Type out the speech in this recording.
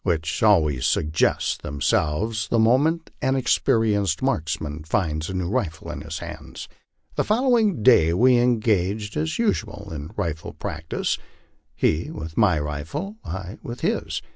which always suggest themselves the moment an experienced marksman finds a new rifle in his hands. The following day we engaged as usual in rifle practice, he with my rifle, I with his.